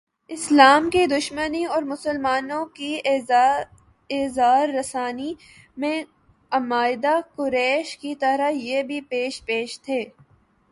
اسلام کی دشمنی اورمسلمانوں کی ایذارسانی میں عمائد قریش کی طرح یہ بھی پیش پیش تھے